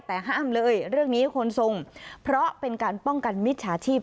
แต่ห้ามเลยเรื่องนี้คนทรงเพราะเป็นการป้องกันมิจฉาชีพ